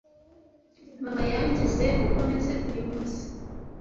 Mama yangize uko meze uyu munsi.